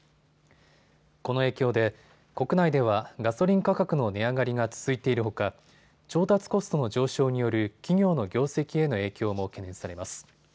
この影響で国内ではガソリン価格の値上がりが続いているほか調達コストの上昇による企業の業績への影響も懸念されます。